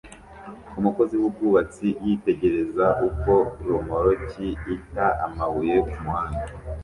Umukozi wubwubatsi yitegereza uko romoruki ita amabuye kumuhanda